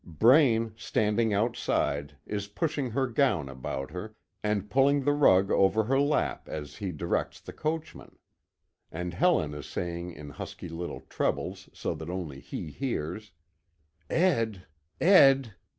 Braine, standing outside, is pushing her gown about her, and pulling the rug over her lap as he directs the coachman. And Helen is saying in husky little trebles, so that only he hears: "Ed. Ed."